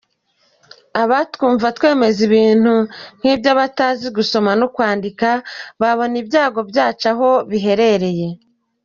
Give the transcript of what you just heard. Abatwumva twemeza ibintu nk’iby’abatazi gusoma no kwandika babona ibyago byacu aho biherereye.